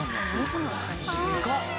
でかっ！